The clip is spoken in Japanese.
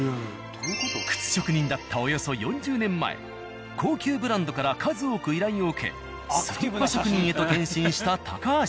靴職人だったおよそ４０年前高級ブランドから数多く依頼を受けスリッパ職人へと転身した高橋さん。